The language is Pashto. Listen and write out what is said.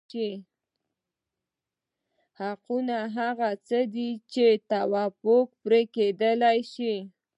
حقوق هغه څه دي چې توافق پرې کېدای شي.